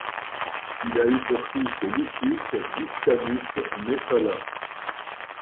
Il a eu pour fils Lucius Vipstanus Messalla.